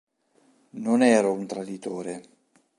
Non ero un traditore.